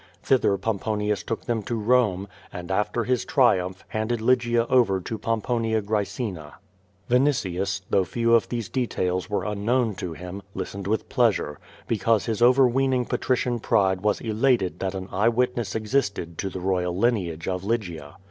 Thither Pomponius took them to Home, and after his triumph hand ed Lygia over to Pomponia Graecina. Yinitius, though few of these details were unknown to him, listened with pleasure, because his overweening patri cian pride was elated that an eye witness existed to the royal lineage of Lygia.